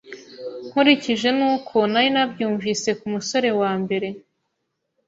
nkurikije n’uko nari nabyumvise ku musore wa mbere